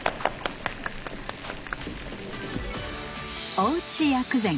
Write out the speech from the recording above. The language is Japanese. おうち薬膳！